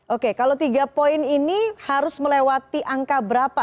oke kalau tiga poin ini harus melewati angka berapa